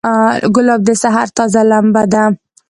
ګلاب د سحر تازه لمبه ده.